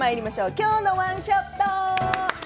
「きょうのワンショット」。